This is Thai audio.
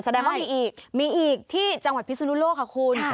แสดงว่ามีอีกมีอีกที่จังหวัดพิศนุโลกค่ะคุณ